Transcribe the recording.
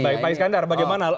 baik pak eskandar bagaimana